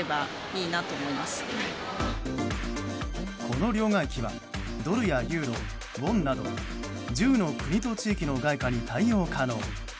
この両替機はドルやユーロ、ウォンなど１０の国と地域の外貨に対応可能。